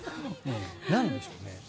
なんでしょうね。